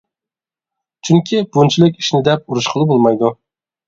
چۈنكى بۇنچىلىك ئىشنى دەپ ئۇرۇشقىلى بولمايدۇ.